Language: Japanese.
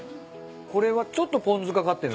これはちょっとポン酢掛かって。